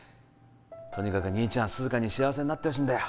とにかく兄ちゃん涼香に幸せになってほしいんだよ